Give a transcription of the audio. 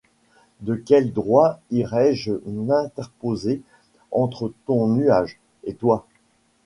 De quel droit irais-je m’interposer entre ton nuage et toi ?